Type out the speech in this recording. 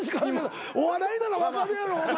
お笑いなの分かるやろお前。